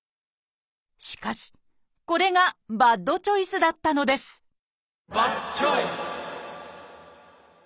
しかしこれがバッドチョイスだったのですバッドチョイス！